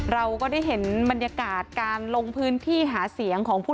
เราก็ได้เห็นบรรยากาศการลงพื้นที่หาเสียงของผู้